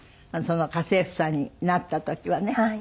その家政婦さんになった時はね。